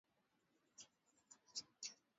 Wakati wa mapenzi si huu.